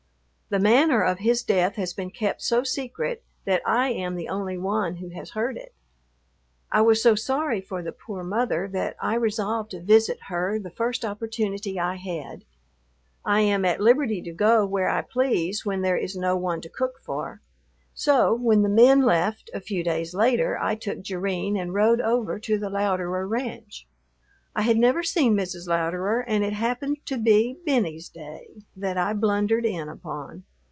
The manner of his death has been kept so secret that I am the only one who has heard it. I was so sorry for the poor mother that I resolved to visit her the first opportunity I had. I am at liberty to go where I please when there is no one to cook for. So, when the men left, a few days later, I took Jerrine and rode over to the Louderer ranch. I had never seen Mrs. Louderer and it happened to be "Benny's day" that I blundered in upon.